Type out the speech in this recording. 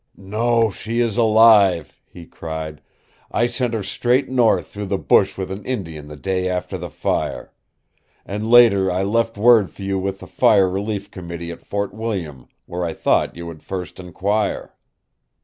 "No, she is alive," he cried. "I sent her straight north through the bush with an Indian the day after the fire. And later I left word for you with the Fire Relief Committee at Fort William, where I thought you would first enquire."